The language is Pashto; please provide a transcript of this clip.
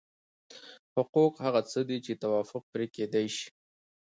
حقوق هغه څه دي چې توافق پرې کېدای شي.